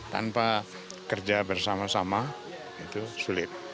tanpa kerja bersama sama itu sulit